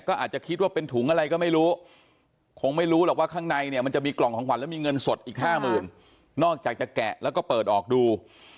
ก็อาจจะคิดว่าเป็นถุงอะไรก็ไม่รู้คงไม่รู้หรอกว่าข้างในเนี่ยมันจะมีกล่องของขวัญแล้วมีเงินสดอีกห้าหมื่นนอกจากจะแกะแล้วก็เปิดออกดู